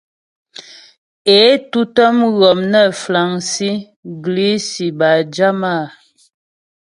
É tǔtə mghɔm nə́ fraŋsi, grisi bâ jama.